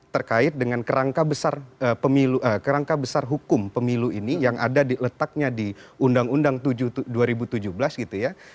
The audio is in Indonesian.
terkait dengan kerangka besar kerangka besar hukum pemilu ini yang ada di letaknya di undang undang dua ribu tujuh belas gitu ya